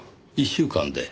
１週間で？